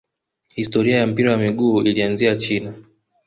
historia ya mpira wa miguu ilianzia china